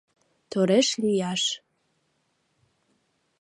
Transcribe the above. «Тореш лияш».